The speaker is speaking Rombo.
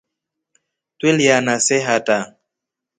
Twelilyana see hata.